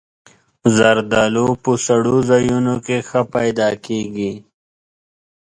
زردالو په سړو ځایونو کې ښه پیدا کېږي.